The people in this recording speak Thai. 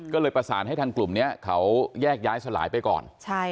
ก็เลยประสานให้ทางกลุ่มนี้เขาแยกย้ายสลายไปก่อน